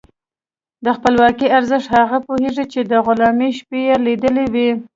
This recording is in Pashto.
د خپلواکۍ ارزښت هغه پوهېږي چې د غلامۍ شپې یې لیدلي وي.